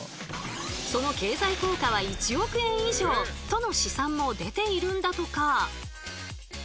その経済効果は１億円以上との試算も出ているんだとか。